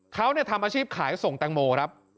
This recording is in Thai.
เขาทำอาชีพขายส่งแตงโมครับ